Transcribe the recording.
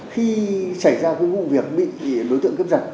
khi xảy ra cái vụ việc bị đối tượng cướp giật